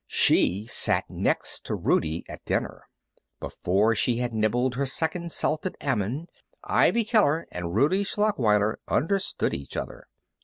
She sat next to Rudie at dinner. Before she had nibbled her second salted almond, Ivy Keller and Rudie Schlachweiler understood each other.